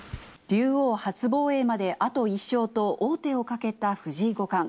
竜王初防衛まであと１勝と王手をかけた藤井五冠。